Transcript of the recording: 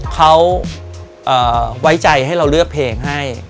เขาไว้ใจให้เราเลือกเพลงให้